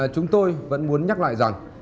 chúng tôi vẫn muốn nhắc lại rằng